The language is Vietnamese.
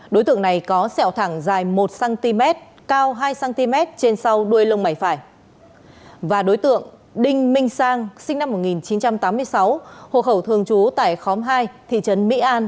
nguyễn mạnh lăng sinh năm một nghìn chín trăm tám mươi sáu hộ khẩu thường trú tại khóm hai thị trấn mỹ an